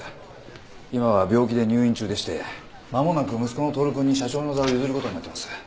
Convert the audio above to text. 今は病気で入院中でしてまもなく息子の透くんに社長の座を譲る事になってます。